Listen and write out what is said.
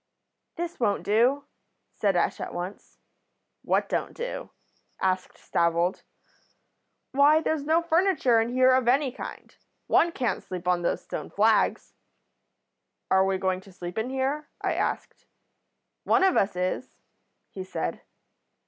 "'This won't do,' said Ash at once. "'What don't do?' asked Stavold. "'Why, there's no furniture in here of any kind. One can't sleep on these stone flags.' "'Are we going to sleep in here?' I asked. "'One of us is,' he said.